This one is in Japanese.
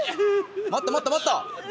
もっともっともっと！